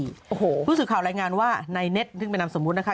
โอ้โหผู้สื่อข่าวรายงานว่าในเน็ตซึ่งเป็นนามสมมุตินะคะ